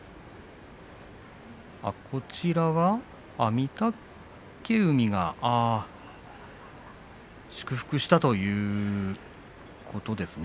御嶽海が祝福したということですよね。